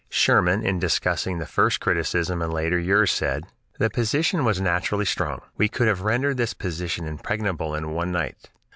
Sherman, in discussing the first criticism in later years, said, "The position was naturally strong; ... we could have rendered this position impregnable in one night."